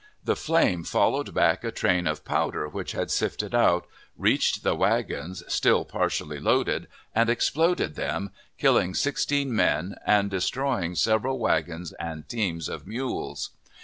The flame followed back a train of powder which had sifted out, reached the wagons, still partially loaded, and exploded them, killing sixteen men and destroying several wagons and teams of mules.